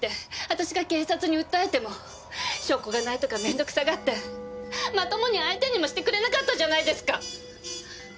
私が警察に訴えても証拠がないとか面倒くさがってまともに相手にもしてくれなかったじゃないですか。